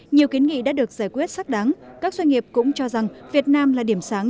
nhiều kiến nghị đã được giải quyết sắc đáng các doanh nghiệp cũng cho rằng việt nam là điểm sáng